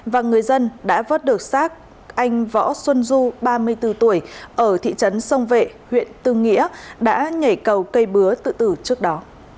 và người dân đã vớt được xác anh võ xuân du ba mươi bốn tuổi ở thị trấn sông vệ huyện tư nghĩa đã nhảy cầu cây bứa tự tử trước đó